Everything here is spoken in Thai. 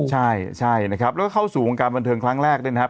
ใช่ใช่นะครับแล้วก็เข้าสู่วงการบันเทิงครั้งแรกด้วยนะครับ